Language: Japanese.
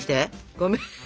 ごめん。